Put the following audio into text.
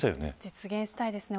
実現したいですね。